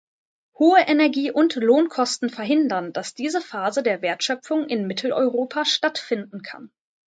Hohe Energie- und Lohnkosten verhindern, dass diese Phase der Wertschöpfung in Mitteleuropa stattfinden kann.